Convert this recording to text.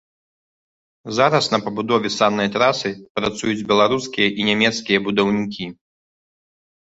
Зараз на пабудове саннай трасы працуюць беларускія і нямецкія будаўнікі.